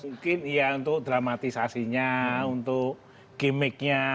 ya mungkin iya untuk dramatisasinya untuk gimmick nya